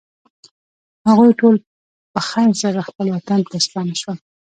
هغوی ټول په خیر سره خپل وطن ته ستانه شول.